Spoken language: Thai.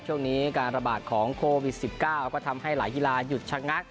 ช่วงนี้การระบาดของโควิด๑๙ก็ทำให้หลายกีฬาหยุดชะงัก